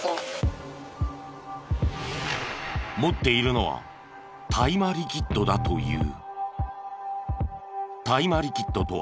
持っているのは大麻リキッドだという。